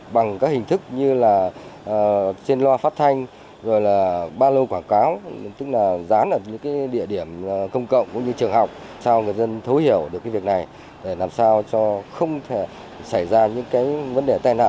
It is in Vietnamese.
bằng các hình thức như là